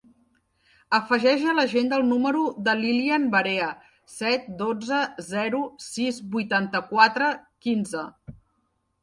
Afegeix a l'agenda el número de l'Ilyan Varea: set, dotze, zero, sis, vuitanta-quatre, quinze.